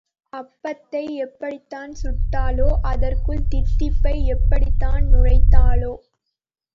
அப்பத்தை எப்படித்தான் சுட்டாளோ அதற்குள் தித்திப்பை எப்படித்தான் நுழைத்தாளோ?